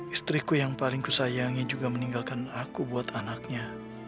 istriku yang paling kusayangi juga meninggalkan aku buat anaknya